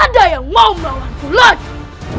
ada yang mau melawanku lagi